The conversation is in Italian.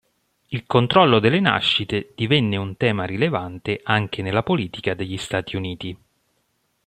Il controllo delle nascite divenne un tema rilevante anche nella politica degli Stati Uniti.